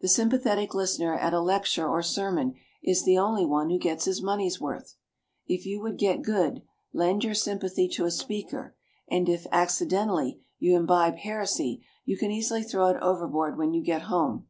The sympathetic listener at a lecture or sermon is the only one who gets his money's worth. If you would get good, lend your sympathy to a speaker, and if, accidentally, you imbibe heresy, you can easily throw it overboard when you get home.